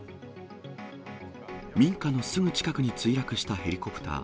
民家のすぐ近くに墜落したヘリコプター。